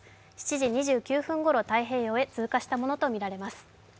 ７時２９分ごろ、太平洋へ通過したものとみられます。